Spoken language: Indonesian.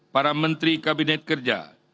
para menteri kabinet kerja